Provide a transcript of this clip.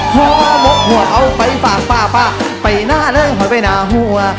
หัวหมกหัวเอาไปฝากป้าไปหน้าเลยหอยไปหน้าหัว